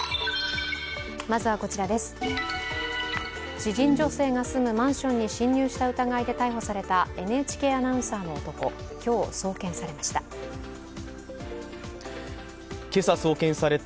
知人女性が住むマンションに侵入したとして逮捕されたＮＨＫアナウンサーの男、今日、送検されました。